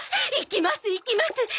行きます行きます！